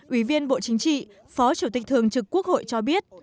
ủy viên bộ chính trị phó chủ tịch thường trực quốc hội cho biết